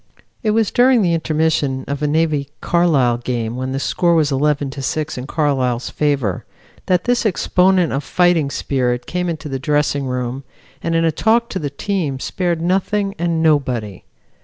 It was during the intermission of a Navy Carlisle game when the score was 11 to 6 in Carlisle's favor, that this exponent of fighting spirit came into the dressing room and in a talk to the team spared nothing and nobody.